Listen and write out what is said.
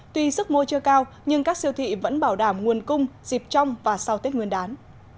tuy sức môi chưa cao nhưng các siêu thị vẫn bảo đảm nguồn cung dịp trong và sau tết nguyên đán